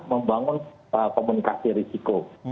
membangun komunikasi risiko